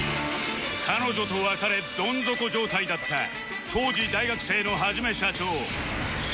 彼女と別れドン底状態だった当時大学生のはじめしゃちょー